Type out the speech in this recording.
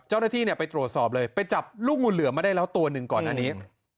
เจ้าหน้าที่ไปตรวจสอบเลยไปจับลูกงูเหลือมมาได้แล้วตัวหนึ่งก่อนอันนี้